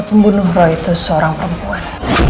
pembunuh roh itu seorang perempuan